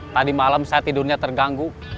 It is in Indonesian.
tadi malam saya tidurnya terganggu